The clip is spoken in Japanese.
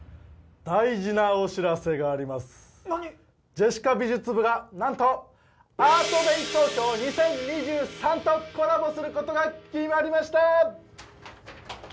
『ジェシカ美術部』がなんと「ＡＲＴＢＡＹＴＯＫＹＯ２０２３」とコラボする事が決まりました！